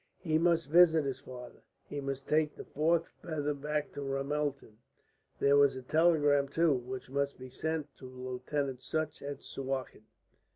He must visit his father, he must take that fourth feather back to Ramelton. There was a telegram, too, which must be sent to Lieutenant Sutch at Suakin.